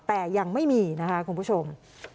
แต่ยังไม่มีนะคะคุณผู้ชม